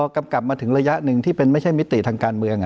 กำกลับมาถึงระยะหนึ่งที่เป็นไม่ใช่มิติทางการเมือง